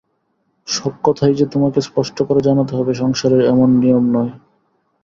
সব কথাই যে তোমাকে স্পষ্ট করে জানাতে হবে সংসারের এমন নিয়ম নয়।